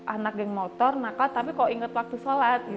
anak yang motor nakal tapi kok inget waktu shalat